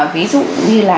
ví dụ như là